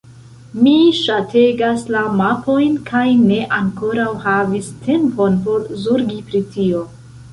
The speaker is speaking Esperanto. Mi ŝategas la mapojn kaj ne ankoraŭ havis tempon por zorgi pri tio.